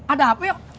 ada apa yuk